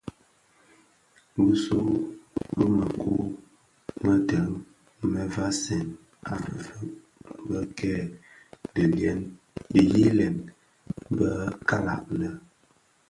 Bisu u mekuu deň më vasèn a bëfeeg bë kè dhiyilèn bè kalag lè,